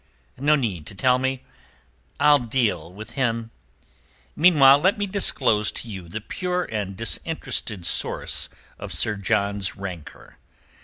No need to tell me. I'll deal with him. Meanwhile let me disclose to you the pure and disinterested source of Sir John's rancour.